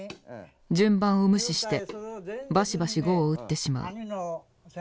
順番を無視してバシバシ碁を打ってしまう。